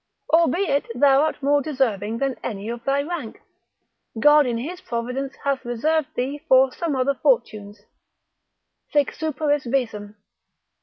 Or be it thou art more deserving than any of thy rank, God in his providence hath reserved thee for some other fortunes, sic superis visum.